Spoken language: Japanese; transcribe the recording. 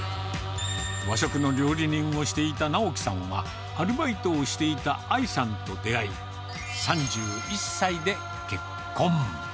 和食の料理人をしていた直樹さんは、アルバイトをしていたあいさんと出会い、３１歳で結婚。